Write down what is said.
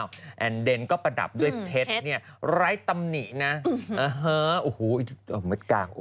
แล้วก็ประดับด้วยเพชรไร้ตำหนินะโอ้โหเม็ดกลาง